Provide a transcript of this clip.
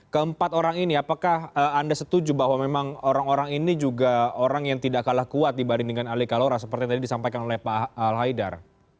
keempat orang ini apakah anda setuju bahwa memang orang orang ini juga orang yang tidak kalah kuat dibanding dengan ali kalora seperti yang tadi disampaikan oleh pak al haidar